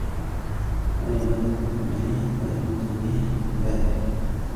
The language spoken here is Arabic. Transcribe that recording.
ما نمت منيح مبارح